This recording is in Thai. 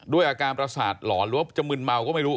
ด้วยอาการประสาทหลอนหรือว่าจะมึนเมาก็ไม่รู้